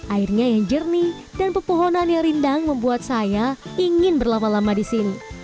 airnya yang jernih dan pepohonan yang rindang membuat saya ingin berlama lama di sini